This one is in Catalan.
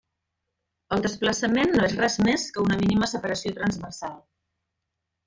El desplaçament no és res més que una mínima separació transversal.